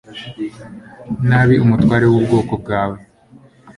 nabi umutware w ubwoko bwawe